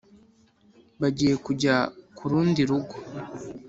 bagiye kujya kurundi rugo